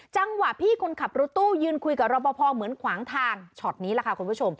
จังหวะพี่คนขับรถตู้ยืนคุยกับรอปภเหมือนขวางทางช็อตนี้แหละค่ะคุณผู้ชม